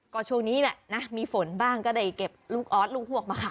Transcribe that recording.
ก็ช่วงนี้แหละนะมีฝนบ้างก็ได้เก็บลูกออสลูกพวกมาขาย